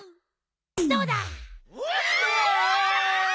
どうだ？わ！